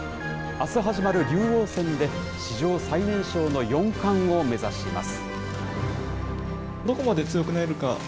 あす始まる竜王戦で、史上最年少の四冠を目指します。